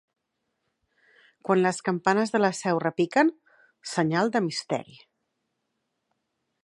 Quan les campanes de la Seu repiquen, senyal de misteri.